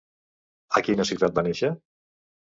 A quina ciutat va néixer?